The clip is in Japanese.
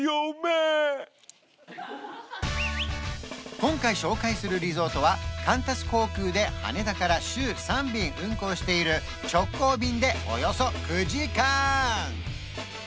今回紹介するリゾートはカンタス航空で羽田から週３便運航している直行便でおよそ９時間！